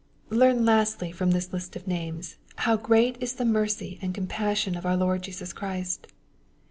Learn lastly from this list of names, kovo great is the mercy and compaaaion of our Lord Jesus Christ.